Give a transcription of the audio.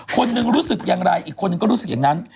คนหนึ่งรู้สึกอย่างไรอีกคนนึงก็รู้สึกอย่างนั้น